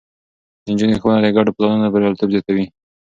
د نجونو ښوونه د ګډو پلانونو برياليتوب زياتوي.